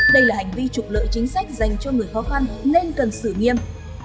đây là hành vi trục lợi chính sách dành cho người khó khăn nên cần xử nghiêm